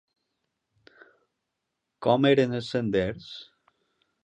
Com eren els senders?